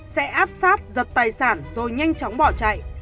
sẽ áp sát giật tài sản rồi nhanh chóng bỏ chạy